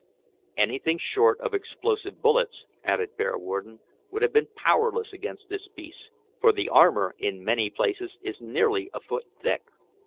"Anything short of explosive bullets," added Bearwarden, "would have been powerless against this beast, for the armour in many places is nearly a foot thick."